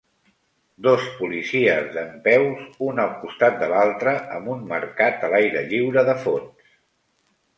Dos policies dempeus un al costat de l'altre amb un mercat a l'aire lliure de fons.